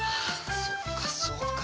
そうかそうか。